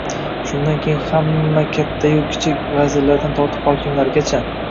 Shundan keyin hamma kattayu kichik, vazirlardan tortib hokimlargacha